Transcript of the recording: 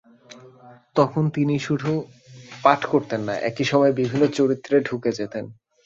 তখন তিনি শুধু পাঠ করতেন না, একই সময়ে বিভিন্ন চরিত্রে ঢুকে যেতেন।